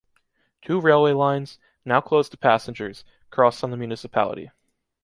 Two railway lines, now closed to passengers, cross on the municipality.